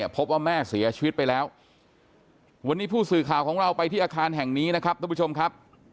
พบว่าแม่เสียชีวิตไปแล้ววันนี้ผู้สื่อข่าวของเราไปที่อาคารแห่งนี้นะครับท่านผู้ชมครับ